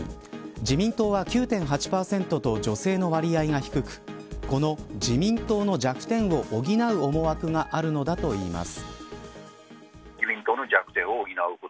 自民党は９．８％と女性の割合が低くこの自民党の弱点を補う思惑があるのだといいます。